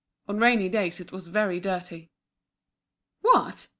On rainy days it was very dirty. "What!